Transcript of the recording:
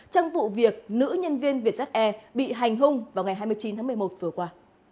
trong vụ việc nữ nhân viên vz e bị hành hung vào ngày hai mươi chín tháng một mươi một vừa qua